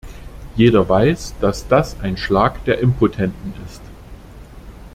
Jeder weiß, dass das ein Schlag der Impotenten ist.